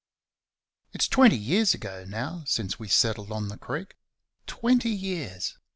It's twenty years ago now since we settled on the Creek. Twenty years!